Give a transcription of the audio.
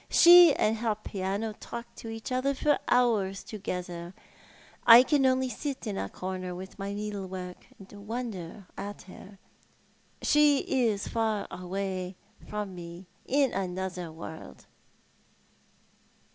She and her piano talk to each other for hours together. I can only sit in a corner, at my needlework, and wonder at her. She is far away from me — in another world."